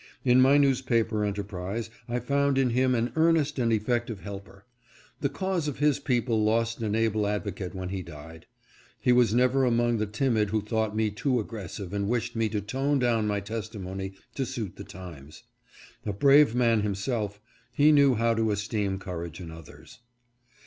In my newspaper enterprise, I found in him an earnest and effective helper. The cause of his people lost an able advocate when he died. He was never among the timid who thought me too aggressive and wished me to tone down my testimony to suit the times. A brave man himself, he knew how to esteem courage in others.